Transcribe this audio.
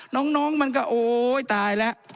น้องมันก็โอ๊ยตายแล้ว